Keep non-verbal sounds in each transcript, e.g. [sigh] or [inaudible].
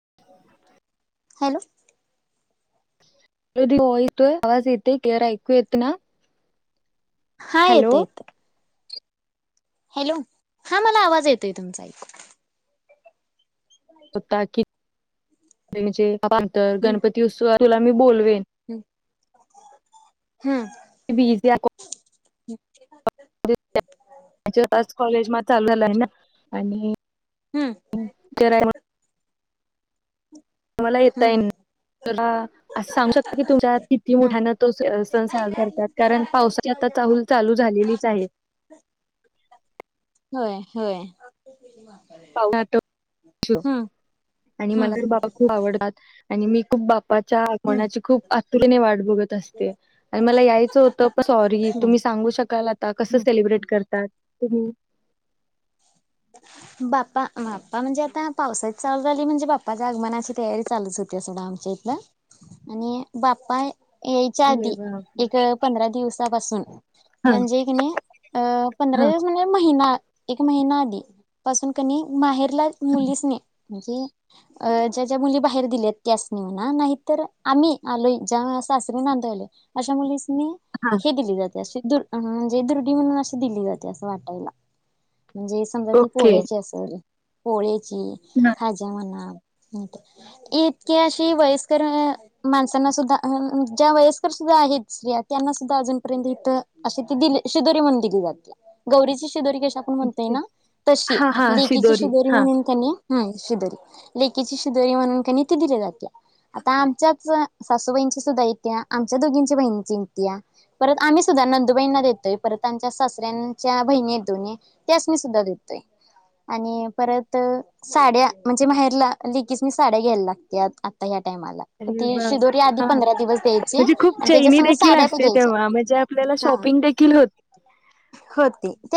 [unintelligible] Hello. [unintelligible] हो येतोय, आवाज येतोय क्लियर ऐकु येतोय ना. हा हॅलो येतो, येतो हॅलो हा मला आवाज येतोय तुमचा ऐकू. होता की. म्हणजे? [unintelligible] गणपती उत्सवात तुला मी बोलवेन. हम्. [unintelligible] [unintelligible] [inaudible] कॉलेज म चालू झाला आहे ना. आणि हम्म. मला येेता येईना, असं सांगू शकताय की तुझ्यात हम्म होय. हम्म आणि हम्म मला बाप्पा खूप आवडतात. आणि मी खूप बाप्पा बाप्पाच्या हम्म आगमनाची खूप आतुरतेने वाट बघत असते आणि मला यायचं होत पण सॉरी हम्म तुम्ही सांगू शकाल, आता कस हम्म सेलिब्रेट करतात. तुम्ही? बाप्पा बाप्पा म्हणजे आता पावसाळीत चालू झाली म्हणजे बाप्पाच्या आगमनाची तयारी चालूच होती अस सोडा आमच्या इथलं आणि बाप्पा यायच्या अरे आधी बापरे! एक पंधरा दिवसात बसून. हां, म्हणजे की नाही अ पंधरा हां, दिवस म्हणजे महिना एक महिना आधी, पासून कणी माहेर ल्यात मुलीसनी, म्हणजे अ ज्या ज्या मुली बाहेर दिल्या आहेत. त्यासनी म्हणा नाहीत, तर आम्ही आलो ज्या सासर नांदाय आलोय अशा मुलीसनी हां. हे दिली जाते. शीदुर म्हणजे दुर्डी म्हणून अशी दिली जाते असं वाटायला. म्हणजे समजा त ओके. पोळ्याचे असे होोळी. हां. खाजा म्हना. इतके अशी वयस्कर माणसांना सुद्धा ज्या वयस्कर सुद्धा आहेत स्तिया त्यांना सुद्धा अजूनपर्यंत इथ अशी त दिली शिदोरी म्हणून दिली जाते गौरीची कश आपण म्हणत येय ओके. ना. तशी हां, हां. लेकीची शिदोरी. शदोरी हां. म्हणून क हम शिजरी लेकीची शिजरी म्हणून कानी ती दिली जाते आता आमच्याच सासूबाईंची सुद्धा इे आमच्या दोघींची बहिणींची इ्तीया परत आम्ही सुद्धा नंदुबाईंना देतोय परत आमच्या सासऱ्यांच्या बहिणी दोन्ही त्यास मी सुद्धा देतो. आणि परत साड्या म्हणजे बाहेरला लिकीच मी साड्या घ्यायला लागत आता अरे वाह! ह. आधी हां. पंधरा दिवस द्याय म्हणजे खूप त्या चैनी देखील साडप असते द्याय. तेव्हा म्हणजे आपल्याला शॉपिंग देखील होते.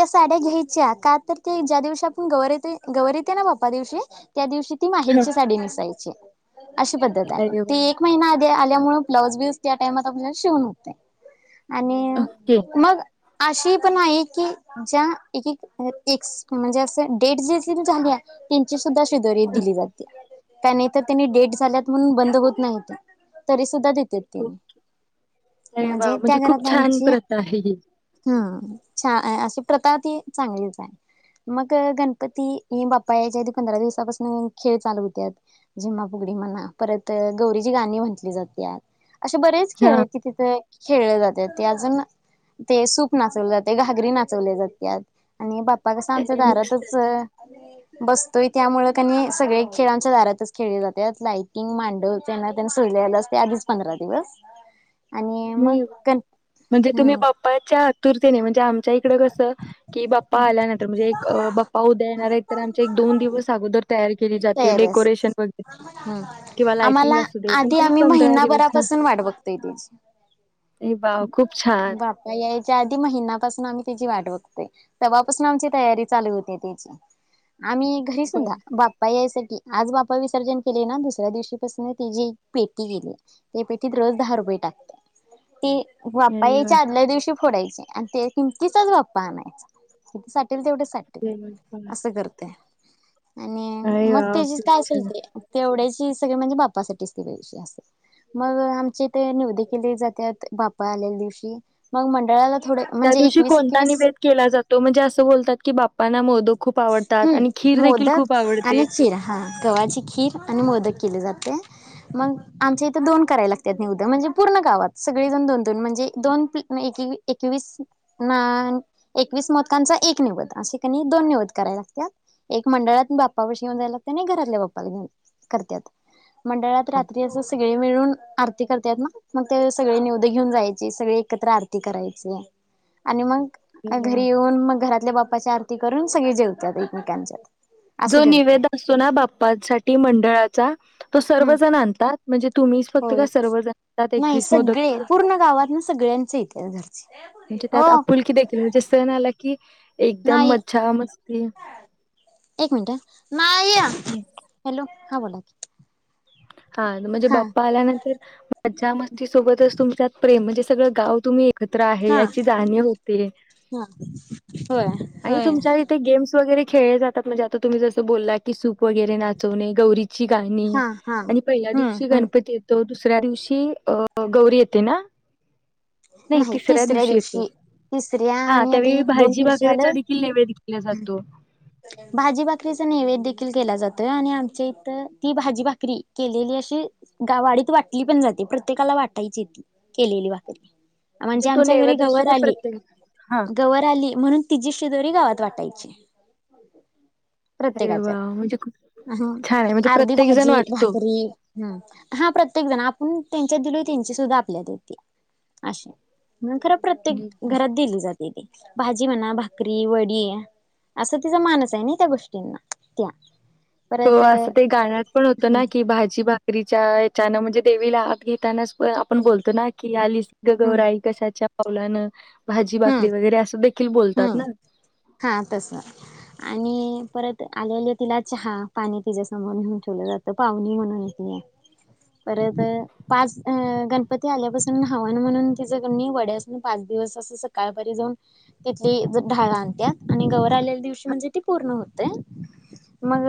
साड्या घ्यायच्या का तर ते ज्या दिवशी आपण गौवर येते गौवरेते ना बाप्पा दिवशी त्या दिवशी ती हां. माहेरची साडी नेसायची अशी पद्धत आहे अरे ती वाह! एक महिना आ त्यामुळे ब्लाऊजबिज त्या टाईमात शिवून होतंय. आणि ओके. मग अशी पण आहे की ज्या एक एक म्हणजे असं डेट ज झाली तीन सुद्धा शेजरीत दिली जाते. त्या नाही तर त्यांनी डेट झाल्यात म्हणून बंद होत नाही तरी सुद्धा अरे म्हणजे वाह! खूप त्यागराता छान विची प्रथा आहे ही. हम. छान अशी प्रथा ती चांगलीच आहे. मग गणपती बाप्पा याच्या आधी पंधरा दिवसापासून खेळ चालू होत जिम्मापुगडी मणा परत गौरीची गाणी म्हटली जात. असे बरेच खेळ हां. आहेत ति तिथे खेळले जातात. अजून ते सूप नाचवले जाते घागरी नाचवले जाते आणि बा पा कस आमच्या अरे दारातच मस्तच. बसतोय त्यामुळं त्यांनी सगळे खेळांच्या दारातच खेळले जाते लाईटिंग मांडव त्यांना त्यांना सोयला असते आधीच पंधरा दिवस आणि मग ह गण म्हणजे तुम्ही हम्म बाप्पाच्या आतुरतेने आमच्या इकडे कस की बाप्पा आल्यानंतर म्हणजे बाप्पा उद्या येणार आहेत तर आम एक दोन दिवस अगोदर तयारी केली जाते डेकोरेशन वगैरे किंवा लाइटिंग आम्हाला असू दे पण आधी तुम्ही आम्ही महिनाभरापासून वाट बघतोय त्याची. हे बाऊ खूप छान च्या आधी महिनापासून आम्ही त्याची वाट बघतोय तेव्हापासून आमची तयारी चालू होते त्याची. आम्ही घरी सुद्धा बरं. बा आज बापा विसर्जन केले ना दुसऱ्या दिवशी पासून तची एक पेटी केली त्या पेटीत रज दहा रुपये टाकते ती बाप्पा अरे वाह! यायच्या आदल्या दिवशी फोडायचे आणि ते किमतीचाच बाप्पा आणायचा कि तेवढे साटेल असं करतोय. आणि हम. मग तेची काय असेल ते तेवढ्या म्हणजे बाप्पा साठी अस मग आमचा इथे निवद केली जात बाप्पा आलेल्या दिवशी मग मंडळा त्या दिवशी कोणता निवेद केला जातो म्हणजे असं बोलतात की बाप्पाना मोदक खूप आवडतात आणि हम्म खीर देखील खूप मोदक आवडते. आणि खीर हा गव्हाची खीर आणि मोदक जात मग आमच्या इथे दोन कराय लागात निवद म्हणजे पूर्ण गावात सगळेज दोन दोन म्हणजे दोनवी एकस मोदकांचा एक निवद असे क दोन निव करायला लागतात एक मंडळात बाप्पा वष येऊन जायलागते आणि घरातल्या बाप्पाला घेऊन करत्यात. मंडळात हां. रात्री असं सगळे मिळून आरती करता ना मग ते सगळे निउद घेऊन जायची सगळी एकत्र आरती करायची आणि मग अरे वाह! घरी येऊन मग घरातले बप् च आरती करून सगळे जेव त्यात एकमेकांचात. जो निवेद असतो ना बाप्पासाठी मंडळाचा तो हम्म सर्वजण आणतात म्हणजे तुम्हीच फक्त का होय. सर्व जणतात नाही एकवीस सगळे मोदक पूर्ण गावात ना सगळ्यांचे येत्यात घरचे म्हणजे त्यात हो आपुलकी देखील म्हणजे सण झाला की एकदम नाही मज्जा मस्ती मिन मा हॅलो हा बोलाकी. हा म्हणजे बाप्पा आल्यानंतर माजा मस्ती सोबतच तुमच्यात प्रेम म्हणजे सगंळ गाव तुम्ही एकत्र आहे हा याची जाणी होते, हा होय आणि होय तुमच्या इथे गेम्स वगरे खेळ जातात म्हणजे आता तुम्ही जसं बोला की सूप वगैरे नाचवणे गौरी ची गाणी हा हा आणि पहिल्या हम्म दिवशी हम्म गणपती येतो. दुस सऱ्या दिवशी अ गौरी येते ना. नाही तिसऱ्या दिवशी येते, तिसऱ्या हा आणि आता त्यावेळी हे दोन भाजी वर्ष भाकरेचा झालं देखील नेवेला केला जातो. भाजी भाकरीचा नैवेद देखील केला जातोय, आणि आमच्या इथ ती भाजी भाकरी केलेली अशी गावाडीत वाटली पण जाते प्रत्येकाला वाटायची ती केलेली वाट व [inaudible] म्हणजे तो आमच्या घरी नैवेद्य असतो गवर ते आली प्रत्येक हां, गवर आली म्हणून तिची शी दोरी गावात वाटायचे. अरे प्रत्येकाच्या वाह! म्हणजे खूप छान आहे म्हणजे अर्धी प्रत्येक जण भाजी वाटतो. भाकरी ह हा प्रत्येक जण. पण त्यांच्या दिली, त्यांची सुद्धा आपल्या येते. अशा. मग खरं प्रत्येक घरात दिली जाते ती. भाजी म्हणा भाकरी, वडी असा तिचा मानस आहे ना त्या गोष्टींना त्या. हो परत असं ते गाण्यात पण होतं ना की भाजी भा करीच्या याच्यान म्हणजे देवीला आत घेतानाच आपण हम्म बोलतो ना की आलीस ग हम्म गौराई कशाच्या पावलं न. भाजी हम्म बाकरी वगैरे असं देखील बोलतात हम्म ना. हा तसं आणि परत आलेली तिला चहा पाणी तिच्यासमोर नेऊन ठेवलं जातं, पावनी म्हणून ती. परत पाच गण आल्यापासून हवन म्हणून तिच्या कनी वड्याूसन पाच दिवस अस स काळपरी जाऊन तिथली ढाळ आणतात आणि गववर आलेल्या दिवशी म्हणजे ती पूर्ण होतय मग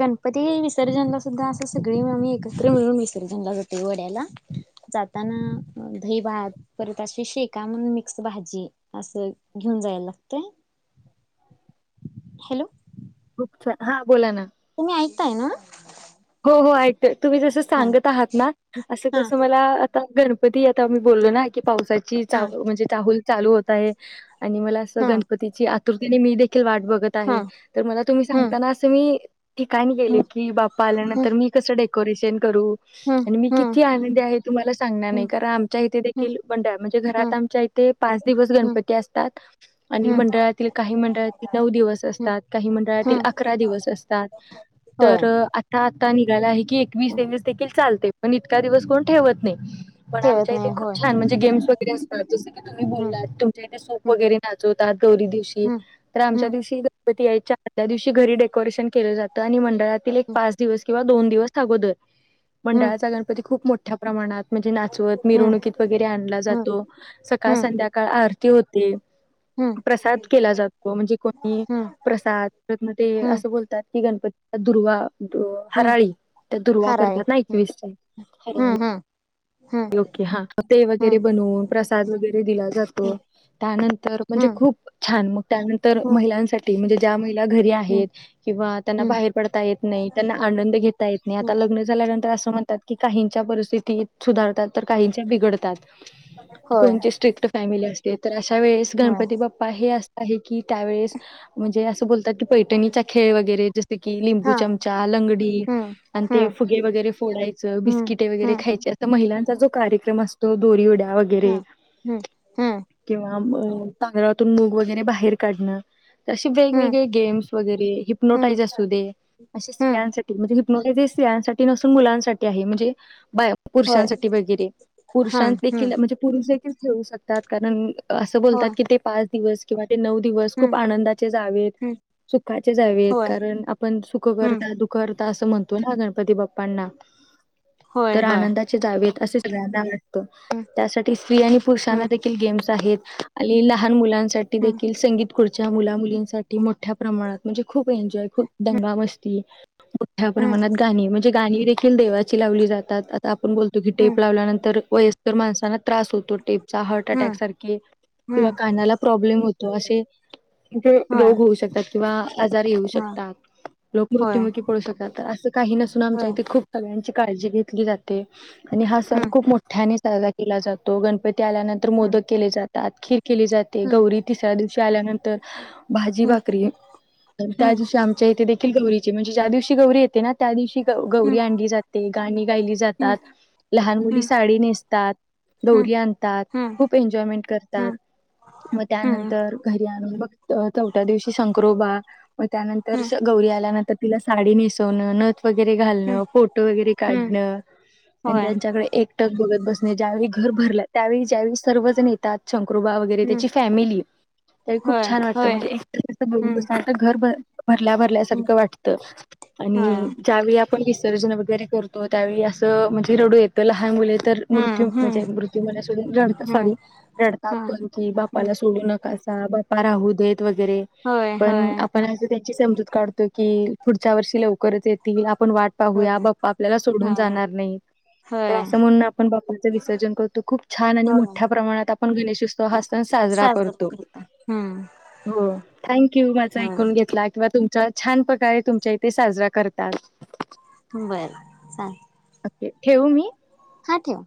गणपती विसर्जनला सुद्धा असं सगळी मी एकत्र मिळून विसर्जनला जातो ओढ्याला. जाताना दही भात. परत अशी शेका म्हणून मिक्स भाजी. अस. घेऊन जायला लागतय. हॅलो. हा बोला ना. तुम्ही ऐकताय ना. हो, हो ऐकते. तुम्ही जसं हा सांगत आहात ना असं हा कसं मला गणपती येता आम्ही बोललो ना की पावसाची हा चाहू म्हणजे चाहूल चालू होत आहे. आणि मला असं हा गणपतीची आ कृती मी वाट बघत हा आहे. तर मला तुम्ही हम्म सांगताना अस मी ठिकाणी गेले हम्म की बा नंतर, मी कस. डेकोरेशन. करू हम्म आणि मी हम्म किती आनंदी आहे तुम्हाला सांगणार हम्म नाही, कारण आमच्या इथे हम्म देखील मंड म्हणजे, हम्म घरात आमच्या इथे पाच दिवस हम्म गणपती असतात आणि हम्म मंडळातील काही मंडळातील नऊ दिवस हम्म असतात काही मंडळातील हम्म आकरा दिवस असतात तर होय पत्ता नि गाला आहे. की एकवीस देवीस देखील चालते. पण इतका दिवस कोण ठेवत नाही. पण ठेवत आमच्या इथे नाही खूप होय छान म्हणजे, गेम्स वगैरे असतात जस की तुम्ही, हम्म बोललात तुमच्या इथे सूप हम्म वगैरे नाचवतात गौरी दिवशी हम्म तर आमच्या हम्म दिवशी याच्या आदल्या दिवशी घरी डेकोरेशन केलं जातं आणि मडळ [unintelligible] पाच. [unintelligible] दोन दिवस अगोदर. हम्म मंडळाचा गणपती खूप मोठा मोठ्या प्रमाणात. म्हणजे, नाचवत हम्म मिरवणुकीत वगैरे आणला हम्म जातो सकाळ हम्म संध्याकाळ आरती होते. प्रसाद केला जातो म्हणजे कोणी हम्म प्रसादन ते हम्म असं बोलतात की गणपती दुर्वा. हम्म हराळी त्या दुर्वा हराळी करतात ना हम्म एकवीस हराळी. हम्म हम्म ओके हा, ते वगैरे हम्म बनवून प्रसाद वगैरे दिला हम्म जातो त्यानंतर म्हणजे, हम्म खूप छान मग त्यानंतर हम्म महिलांसाठी म्हणजे जा [unintelligible] या घरी आहे हम्म किंवा त्यांना हम्म बाहेर पडता येत नाही, त्यांना आनंद घेता येत नाही, हम्म आता लग्न झाल्यान म्हणतात की काहीच्या परिस्थिती सुधारतात तर काहींच्या बिघडतात. होय कोणती स्ट्रिक्ट फॅमिली अस ते [unintelligible] वेळेस होय गणपती बाप्पा हे अस हे की त्यावेळेस म्हणजे बोलतात की पैठणीचा खेळ वगैरे जस की लिंबू हा चमचा, लंगडी हम्म आणि ते हम्म फुगे वगैरे फोडायचं हम्म बिस्किटे वगैरे हम्म खायचे. महिलांचा जो कार्यक्रम असतो. तो दूरी उड्या. हा वगैरे हम्म हम्म किंवा तांदळात मूग वगैरे बाहेर काढणं अशे हम्म वेगवेगळे गेम्स वगैरे हम्म हिप्नोटाईज असू दे अशा हम्म स्त्रयांसाठी म्हणजे मग जे स्त्रियांसाठी नसून मुलांसाठी आहे म्हणजे बाय होय पुरुषांसाठी वगैरे पुरुषां हम्म देखील हम्म म्हणजे पुरुष देखील ठेऊ शकतात कारण असं होय बोलतात की ते पाच दिवस किंवा ते नऊ दिवस खूप हम्म आनंदाचे जावेत हम्म सु खाचे जावेेत होय कारण आपण सुखकर्ता हम्म आणि दुखहर्ता तर असं म्हणतो ना गणपती बाप्पांना होय तर होय आनंदाचे जावेेत असे सगळ्यांना वाट त हम्म त्यासाठी स्त्री आणि पुरुषांना हम्म देखील गेम्स आहेत आहे, लहान मुलां साठी हम्म देखील संगीतखुर्च्या मुला मुलींसाठी मोठ्या प्रमाणात म्हणजे खूप एन्जॉय खूप दंगा मस्ती मोठ्या हम्म प्रमाणात गाणी म्हणजे गाणी देखील देवाची लावली जा तात आता आपण बोलतो की हम्म टेप लावल्यानंतर वयस्कर माणसांना त्रास होतो टेपचा हार्ट अटॅक हम्म सारखे किंवा हम्म कानाला प्रॉब्लेम होतो असे म्हणजे होय रोग होऊ शकतात. किंवा आजार येऊ हा शकतात. लोक होय मृत्युमुखी पडू शकतात तर असं काही नसून आमच्या होय इथे खूप सगळ्यांची काळजी घेतली जाते. आणि हा सण हम्म खूप मोठ्यानेच साजरा केला जातो गणपती त्या आल्यानंतर हम्म मोदक केले जात [unintelligible] केली जाते गौरी तिसऱ्या दिव शाल्यानंतर भाजी हम्म भाकरी आणि त्या हम्म दिवशी आमच्या इथे देखील गौरी चे म्हणजे ज्या दिवशी गौरी येते ना त्या दिवशी गौरी हम्म आणली जाते गाणी [unintelligible] हम्म जातात. लहान मुली हम्म साडी नेसतात. हम्म दोरी आणतात. हम्म खुप एन्जॉयमेंट करतात हम्म म हम्म त्यानंतर घरी आण बघतत चौथ्या दिवशी शंक्रोबा मग त्यानंतर हम्म गौरी आल्यानंतर तिला साडी नेसवण नथ - - वगैरे हम्म घालणं. फोटो वगैरे हम्म काढ- - आणि होय त्यांच्याकडे एक टक बघ बघत बसणे. ज्यावेळी घर भरल्या त्यावेळी ज्या वेळी सर्व जण येतातं. शं क्रोबा वगैरे हम्म त्याची फॅमिली त्यावेळी खूप होय छान वाटतं होय म्हणजे एकतर बघुन हम्म कसं वाटतं घर भर भरल्या हम्म भरल्यासारखं वाटत होय आणि ज्यावेळी आपण विस - - सर्जन वगैरे कर त्यावेळी असं म्हणजे रडू येतं लहान मुले - - तर हम्म मृत्यू हम्म म्हणजे मृत्यू मला सोडून रडतात सॉरी हम्म रडतात हम्म पण की हम्म बापाला सोडू नकास- - बा्पा राहू देत. वगैरे होय पण होय आपण असं ते - - समजूत काढतो की पुढच्या वर्षी लवकरच येतील आप - - पण वाट होय पाहूया. बाप्पा - - सोडून होय जाणार नाही होय अस म्हणून आपण बाप्पाच विसर्जन करतो खूप छान आणि होय मोठ्या प्रमाणात आपण गणेशोत्सव हा सण साजरा साजरं करतो. करता हम्म हो. थँक्यु माझं होय ऐकुन घेतला किवा तुमचा छान प्रकारे तुमच्या इथे साजरा करतात. बरं चाल - - ठेवू मी. हा ठेवा.